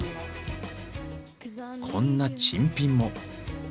こんな珍品も。